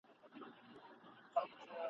د هغه له ستوني دا ږغ پورته نه سي !.